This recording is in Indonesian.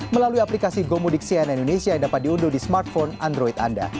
melalui aplikasi gomudik cnn indonesia yang dapat diunduh di smartphone android anda